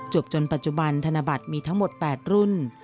จนปัจจุบันธนบัตรมีทั้งหมด๘รุ่น